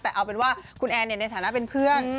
แต่เอาเป็นว่าคุณแอนในฐานะเป็นเพื่อน